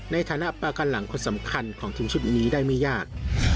ในฐานะประกันหลังคนสำคัญของทีมชุดนี้ได้ไม่ยาก